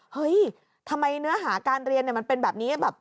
เฮ้ยทำไมเนื้อหาการเรียนมันเป็นแบบนี้แบบ